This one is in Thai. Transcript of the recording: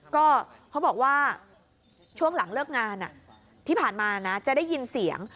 ก็เขาบอกว่าช่วงหลังเลิกงานที่ผ่านมานะจะได้ยินเสียง